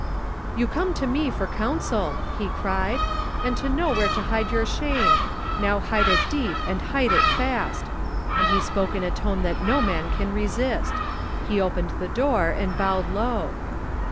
"*You come to me for counsel,' he cried, *and to know where to hide your shame. Now hide it deep and hide it fast,' and he spoke in a tone that no man can resist. He opened the door and bowed low.